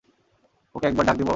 ওকে একবার ডাক দেব?